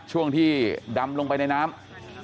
ช่วงที่ดำลงไปในน้ำ